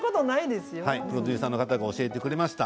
プロデューサーの方が教えてくださいました。